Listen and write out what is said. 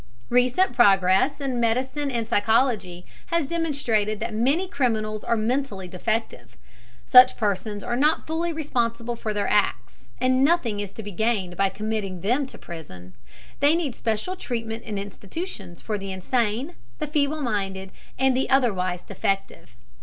Recent progress in medicine and psychology has demonstrated that many criminals are mentally defective. Such persons are not fully responsible for their acts, and nothing is to be gained by committing them to prison. They need special treatment in institutions for the insane, the feeble minded, and the otherwise defective.